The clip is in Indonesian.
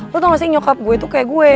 lo tau gak sih nyokap gue tuh kayak gue